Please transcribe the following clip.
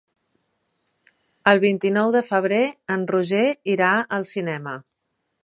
El vint-i-nou de febrer en Roger irà al cinema.